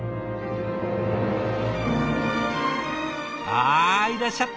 あいらっしゃった！